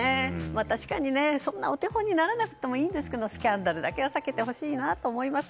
確かに、そんなお手本にならなくてもいいんですけどスキャンダルだけは避けてほしいと思います。